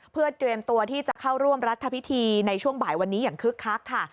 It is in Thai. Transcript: เพื่อเตรียมตัวที่จะเข้าร่วมรัฐพิธีในช่วงบ่ายวันนี้อย่างคึกคักค่ะ